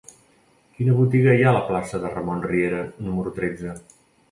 Quina botiga hi ha a la plaça de Ramon Riera número tretze?